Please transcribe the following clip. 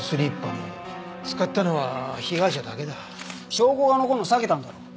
証拠が残るのを避けたんだろう。